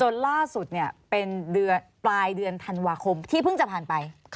ล่าสุดเป็นเดือนปลายเดือนธันวาคมที่เพิ่งจะผ่านไป